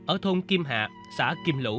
ở thôn kim hạ xã kim lũ